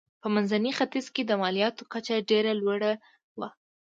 په منځني ختیځ کې د مالیاتو کچه ډېره لوړه وه.